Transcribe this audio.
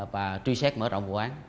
và truy sát các đối tượng